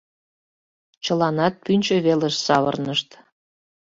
Чыланат пӱнчӧ велыш савырнышт.